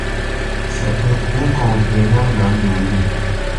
Ntsyapǝ kwó ŋkɔŋ pǝ ná nâ ndo mbî.